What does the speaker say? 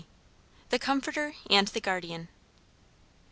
THE COMFORTER AND THE GUARDIAN.